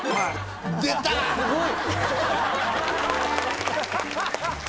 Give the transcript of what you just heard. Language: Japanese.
すごい！